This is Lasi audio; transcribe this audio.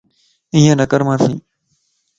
اينيَ نڪر مانسين